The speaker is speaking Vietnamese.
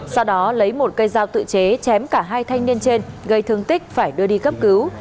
sau đó lấy một cây dao tự chế chém cả hai thanh niên trên gây thương tích phải đưa đi cấp cứu